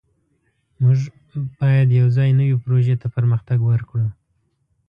موږ باید یوځای نوې پروژې ته پرمختګ وکړو.